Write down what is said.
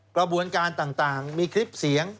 กระบวนการต่างมีคลิปเสียง